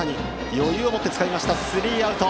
余裕を持ってつかんでスリーアウト。